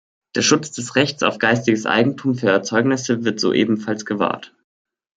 Der Schutz des Rechts auf geistiges Eigentum für Erzeugnisse wird so ebenfalls gewahrt.